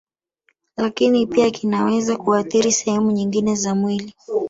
Lakini pia kinaweza kuathiri sehemu nyingine za mwili